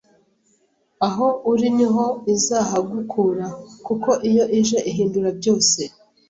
aho uri ni yo izahagukura kuko iyo ije ihindura byose.